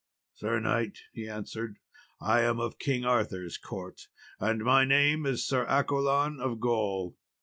"Sir knight," he answered, "I am of King Arthur's court, and my name is Sir Accolon of Gaul."